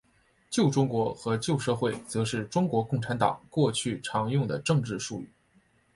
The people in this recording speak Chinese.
旧中国和旧社会则是中国共产党过去常用的政治术语。